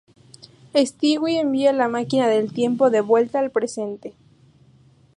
Stewie envía la máquina del tiempo de vuelta al presente.